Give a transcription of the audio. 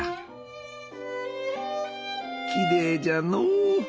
きれいじゃのう。